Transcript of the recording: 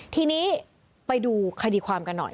ทีนี้ไปดูคดีความกันหน่อย